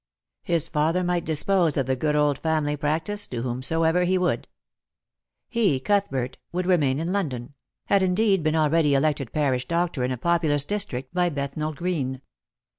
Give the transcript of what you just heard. His father might dispose of the good old family practice to whomsoever he would. He, Cuthbert, would remain in London — had indeed been already elected parish doctor in a populous district by Bethnal green.